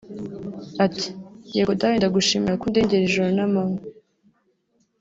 Ati “Yego dawe ndagushimira ko undegera ijoro n’amanywa